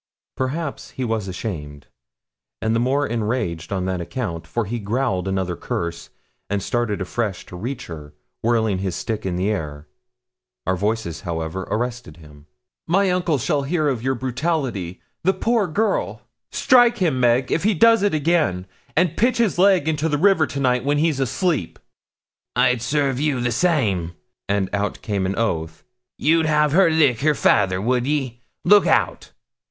Perhaps he was ashamed, and the more enraged on that account, for he growled another curse, and started afresh to reach her, whirling his stick in the air. Our voices, however, arrested him. 'My uncle shall hear of your brutality. The poor girl!' 'Strike him, Meg, if he does it again; and pitch his leg into the river to night, when he's asleep.' 'I'd serve you the same;' and out came an oath. 'You'd have her lick her fayther, would ye? Look out!'